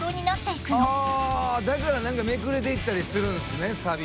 だから何かめくれていったりするんすねサビ。